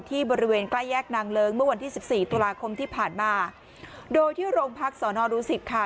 บริเวณใกล้แยกนางเลิ้งเมื่อวันที่สิบสี่ตุลาคมที่ผ่านมาโดยที่โรงพักสอนอดูสิตค่ะ